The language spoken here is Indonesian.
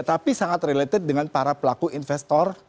tapi sangat related dengan para pelaku investor